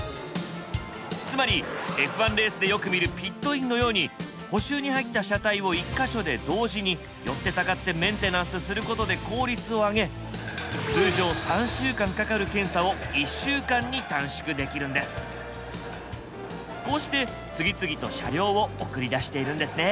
つまりＦ１レースでよく見るピットインのように補修に入った車体を１か所で同時に寄ってたかってメンテナンスすることで効率を上げ通常こうして次々と車両を送り出しているんですね。